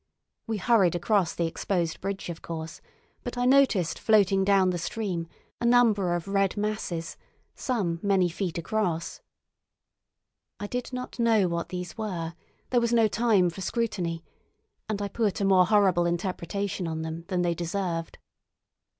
We hurried across the exposed bridge, of course, but I noticed floating down the stream a number of red masses, some many feet across. I did not know what these were—there was no time for scrutiny—and I put a more horrible interpretation on them than they deserved.